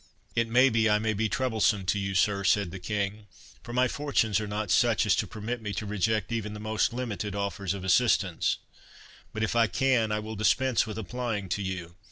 "It may be I may be troublesome to you, sir," said the King; "for my fortunes are not such as to permit me to reject even the most limited offers of assistance; but if I can, I will dispense with applying to you.